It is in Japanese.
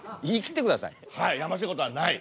「やましいことはない」。